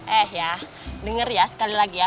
eh ya denger ya sekali lagi ya